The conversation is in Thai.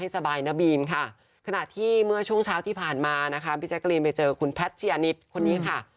สบายนะบีมค่ะขณะที่เมื่อช่วงเช้าที่ผ่านมานะคะพี่แจ๊กรีนไปเจอคุณแพทเชียร์นิดคนนี้ค่ะ